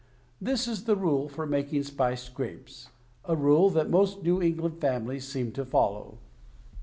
This is the rule for making spiced grapes. A rule that most New England families seem to follow.